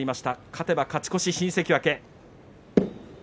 勝てば、勝ち越し新関脇。